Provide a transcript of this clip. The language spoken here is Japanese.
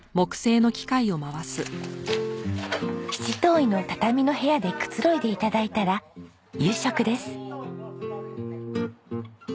七島藺の畳の部屋でくつろいで頂いたら夕食です。